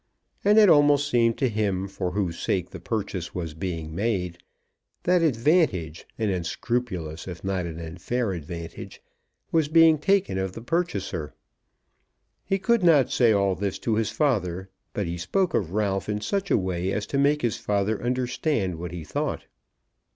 And it almost seemed to him for whose sake the purchase was being made, that advantage, an unscrupulous if not an unfair advantage, was being taken of the purchaser. He could not say all this to his father; but he spoke of Ralph in such a way as to make his father understand what he thought.